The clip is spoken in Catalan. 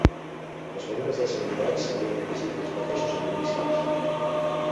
Els membres dels sindicats s'havien erigit ells mateixos en milícies